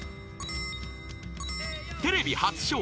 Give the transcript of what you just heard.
［テレビ初紹介］